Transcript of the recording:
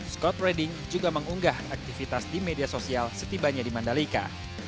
scottreding juga mengunggah aktivitas di media sosial setibanya di mandalika